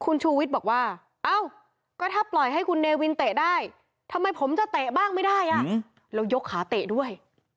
คุณชูวิทย์บอกว่าเอ้าก็ถ้าปล่อยให้คุณเนวินเตะได้ทำไมผมจะเตะบ้างไม่ได้อ่ะแล้วยกขาเตะด้วย